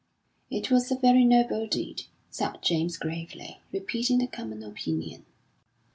"It was a very noble deed," said James gravely, repeating the common opinion.